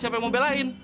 siapa yang mau belain